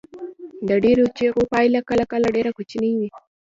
د ډیرو چیغو پایله کله کله ډیره کوچنۍ وي.